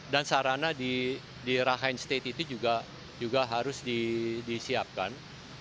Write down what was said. dan sarana di rakhine state itu juga harus disiapkan